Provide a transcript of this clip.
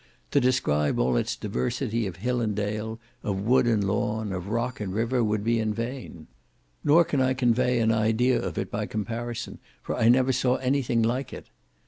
To describe all its diversity of hill and dale, of wood and lawn, of rock and river, would be in vain; nor can I convey an idea of it by comparison, for I never saw anything like it.